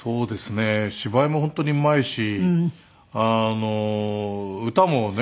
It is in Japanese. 芝居も本当にうまいし歌もね。